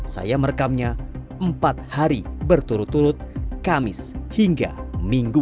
saya merekamnya empat hari berturut turut kamis hingga minggu